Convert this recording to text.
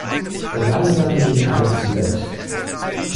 So langsam gehen alle zu Bett.